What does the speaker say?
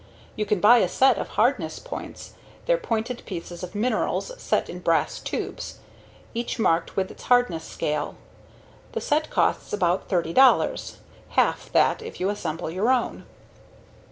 You can buy a set of hardness points. They're pointed pieces of minerals set in brass tubes, each marked with its hardness scale. The set costs about $30 (half that if you assemble your own).